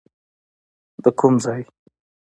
د کوم ځای؟